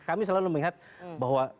kami selalu melihat bahwa